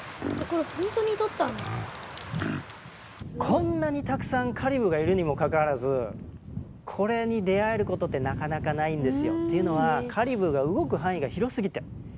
こんなにたくさんカリブーがいるにもかかわらずこれに出会えることってなかなかないんですよ。っていうのはカリブーが動く範囲が広すぎてなかなか出会えないんですね。